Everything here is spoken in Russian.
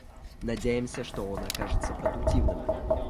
Надеемся, что он окажется продуктивным.